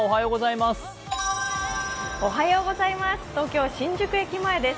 東京・新宿駅前です。